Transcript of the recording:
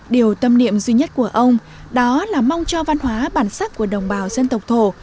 điều tâm niệm duy nhất của ông đó là mong cho văn hóa bản sắc của đồng bào dân tộc thổ